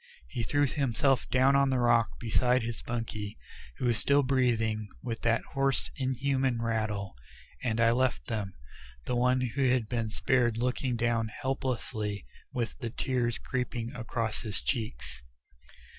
He threw himself down on the rock beside his bunkie, who was still breathing with that hoarse inhuman rattle, and I left them, the one who had been spared looking down helplessly with the tears creeping across his cheeks.